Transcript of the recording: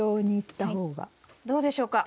どうでしょうか。